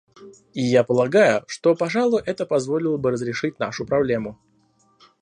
И я полагаю, что, пожалуй, это позволило бы разрешить нашу проблему.